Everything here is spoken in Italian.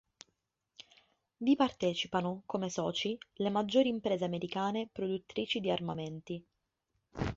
Vi partecipano come soci le maggiori imprese americane produttrici di armamenti.